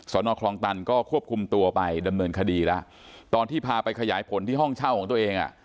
นคลองตันก็ควบคุมตัวไปดำเนินคดีแล้วตอนที่พาไปขยายผลที่ห้องเช่าของตัวเองอ่ะ